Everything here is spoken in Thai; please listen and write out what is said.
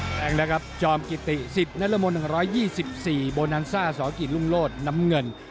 แทงแล้วครับจอมกิติ๑๐นรมนต์๑๒๔โบนันซ่าสกิจรุ่งโลศน้ำเงิน